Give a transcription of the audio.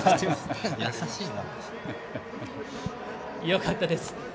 よかったです。